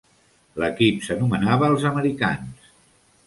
L'equip s'anomenava els "Americans".